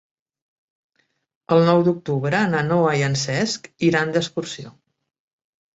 El nou d'octubre na Noa i en Cesc iran d'excursió.